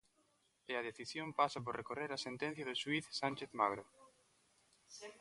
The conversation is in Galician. E a decisión pasa por recorrer a sentencia do xuíz Sánchez Magro.